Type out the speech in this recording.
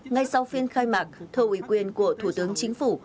ngay sau phiên khai mạc thờ ủy quyền của thủ tướng chính phủ